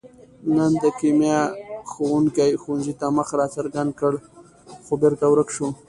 نن د کیمیا ښوونګي ښوونځي ته مخ را څرګند کړ، خو بېرته ورک شو.